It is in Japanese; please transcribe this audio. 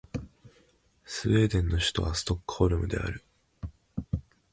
スウェーデンの首都はストックホルムである